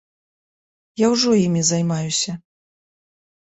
Я ўжо імі займаюся.